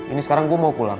ini sekarang gue mau pulang